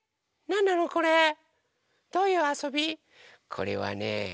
これはね